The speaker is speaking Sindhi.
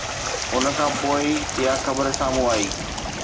ان کانپوءِ ئي اها خبر سامهون آئي